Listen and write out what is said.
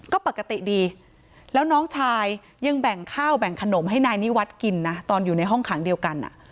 ก็ปกติดีแล้วน้องชายยังแบ่งข้าวแบ่งขนมให้นายนิวัฒน์กินนะตอนอยู่ในห้องขังเดียวกัน